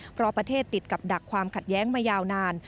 เพราะประเทศติดกับดักความขัดแย้งมายาวนาน